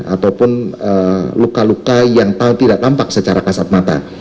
ataupun luka luka yang tahu tidak tampak secara kasat mata